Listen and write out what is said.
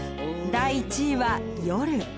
第１位は「夜」